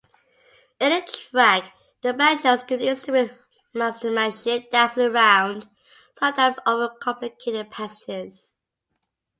In the track the band shows good instruments mastermanship, dazzling around sometimes over-complicated passages.